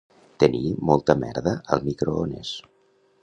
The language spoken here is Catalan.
Tenir molta merda al microones